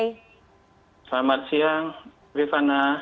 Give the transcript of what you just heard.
selamat siang bifana